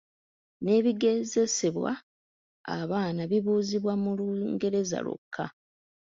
N'ebigezesebwa abaana bibuuzibwa mu Lungereza lwokka.